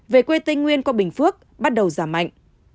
về quê tây nguyên qua bình phước bắt đầu giảm mạnh